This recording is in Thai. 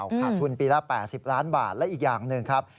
ขาดทุนปีละ๘๐ล้านบาทและอีกอย่างหนึ่งครับ